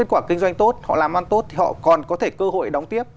kết quả kinh doanh tốt họ làm ăn tốt thì họ còn có thể cơ hội đóng tiếp